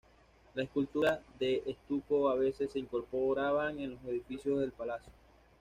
Las esculturas de estuco a veces se incorporaban en los edificios del palacio.